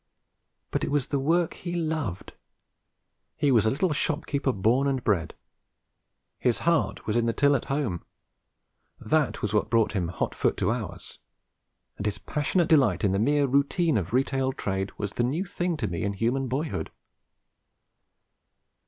But it was the work he loved; he was a little shop keeper born and bred; his heart was in the till at home; that was what brought him hot foot to ours; and his passionate delight in the mere routine of retail trade was the new thing to me in human boyhood.